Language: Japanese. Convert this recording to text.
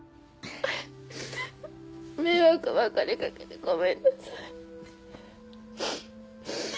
迷惑ばっかりかけてごめんなさい。